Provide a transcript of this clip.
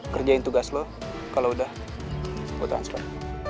kerjain tugas lo kalo udah gue transfer